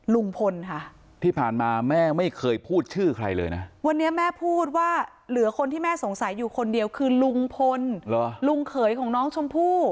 ลุงพลค่ะที่ผ่านมาแม่ไม่เคยพูดชื่อใครเลยนะวันนี้แม่พูดว่าเหลือคนที่แม่สงสัยอยู่คนเดียวคือลุงพลลุงเขยของน้องชมพู่